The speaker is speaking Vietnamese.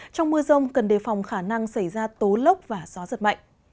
trong mưa rông cần đề phòng khả năng xảy ra tố lốc và gió giật mạnh